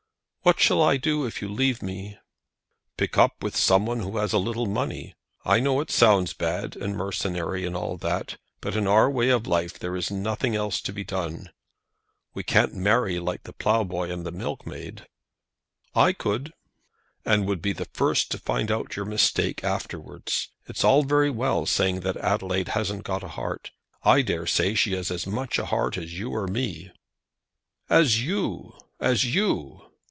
"What shall I do if you leave me?" "Pick up some one that has a little money. I know it sounds bad and mercenary, and all that, but in our way of life there is nothing else to be done. We can't marry like the ploughboy and milkmaid?" "I could." "And would be the first to find out your mistake afterwards. It's all very well saying that Adelaide hasn't got a heart. I dare say she has as much heart as you or me." "As you; as you."